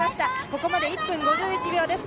ここまで１分５１秒です。